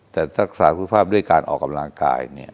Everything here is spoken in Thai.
แต่รักษาคุณภาพด้วยการออกกำลังกายเนี่ย